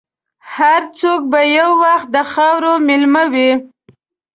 هر څوک به یو وخت د خاورې مېلمه وي.